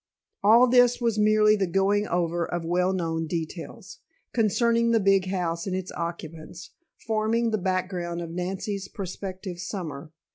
All this was merely the going over of well known details, concerning the big house and its occupants, forming the background of Nancy's prospective summer.